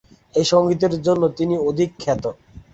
এই সঙ্গীতের জন্য তিনি অধিক খ্যাত।